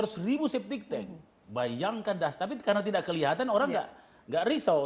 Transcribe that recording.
rumah rumah tiga ratus septic tank bayangkan tapi karena tidak kelihatan orang enggak enggak risau